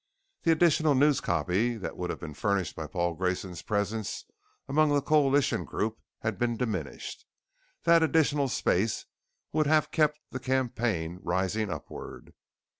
The additional newscopy that would have been furnished by Paul Grayson's presence among the coalition group had been diminished. That additional space would have kept the campaign rising upward.